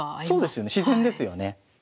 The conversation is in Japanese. そうですよね自然ですよね。